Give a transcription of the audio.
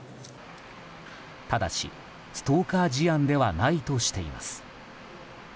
ただし、ストーカー事案ではないとしています。